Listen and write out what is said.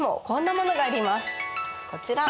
こちら。